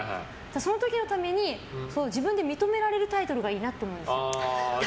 その時のために自分で認められるタイトルがいいなと思うんです。